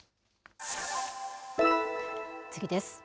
次です。